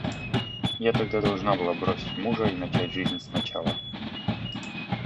Я тогда должна была бросить мужа и начать жизнь с начала.